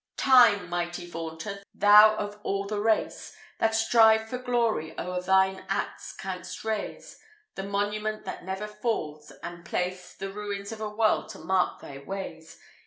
III. "Time! mighty vaunter! Thou of all the race That strive for glory, o'er thine acts canst raise The monument that never falls, and place The ruins of a world to mark thy ways.